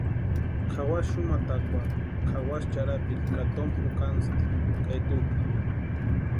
Kʼawasï xumakatarhu kʼawasï charhapiti ka toma jukasïnti ka etukwa.